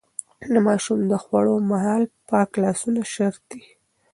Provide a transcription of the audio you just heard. د ماشوم د خوړو مهال پاک لاسونه شرط دي.